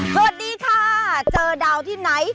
สวัสดีค่ะเจอดาวที่ไหน